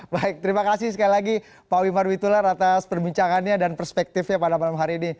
baik terima kasih sekali lagi pak wimar witular atas perbincangannya dan perspektifnya pada malam hari ini